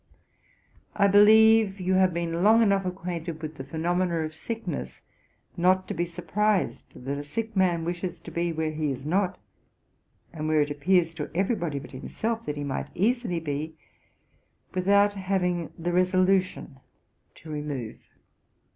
'I believe you have been long enough acquainted with the phoenomena of sickness, not to be surprised that a sick man wishes to be where he is not, and where it appears to every body but himself that he might easily be, without having the resolution to remove.